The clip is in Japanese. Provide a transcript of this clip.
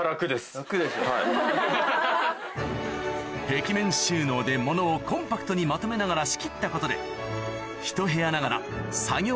壁面収納で物をコンパクトにまとめながら仕切ったことでひと部屋ながら作業